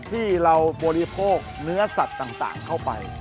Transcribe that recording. ที่เราบริโภคเนื้อสัตว์ต่างเข้าไป